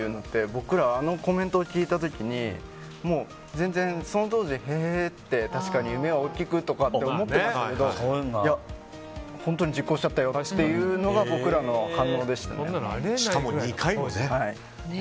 僕ら、あのコメントを聞いた時に全然、その当時へぇって、夢は大きくとかって思ってましたけど本当に実行しちゃったよというのが僕らの反応でしたね。